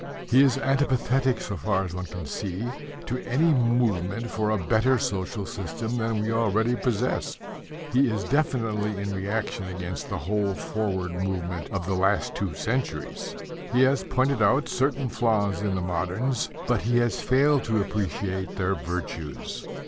He is antipathetic, so far as one can see, to any movement for a better social system than we already possess. He is definitely in reaction against the whole forward movement of the last two centuries. He has pointed out certain flaws in the moderns, but he has failed to appreciate their virtues.